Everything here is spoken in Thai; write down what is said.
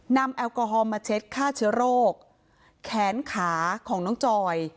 แอลกอฮอลมาเช็ดฆ่าเชื้อโรคแขนขาของน้องจอย